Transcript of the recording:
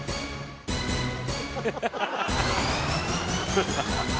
ハハハハ！